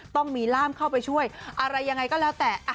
ต้องมีร่ามเข้าไปช่วยอะไรยังไงก็แล้วแต่